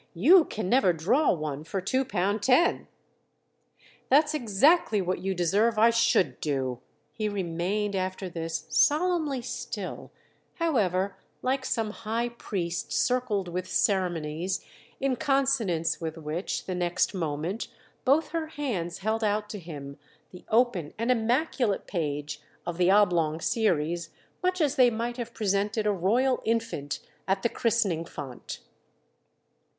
You can never draw one for two pound ten!" "That's exactly what you deserve I should do!" He remained after this solemnly still, however, like some high priest circled with ceremonies; in consonance with which, the next moment, both her hands held out to him the open and immaculate page of the oblong series much as they might have presented a royal infant at the christening font.